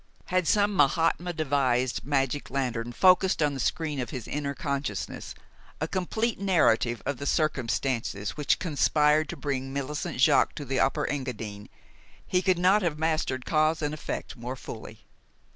Had some Mahatma devised magic lantern focused on the screen of his inner consciousness a complete narrative of the circumstances which conspired to bring Millicent Jaques to the Upper Engadine, he could not have mastered cause and effect more fully.